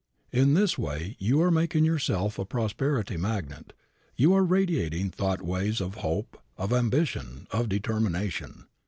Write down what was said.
In this way you are making yourself a prosperity magnet; you are radiating thought waves of hope, of ambition, of determination.